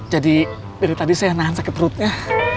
jadi dari tadi saya nahan sakit perutnya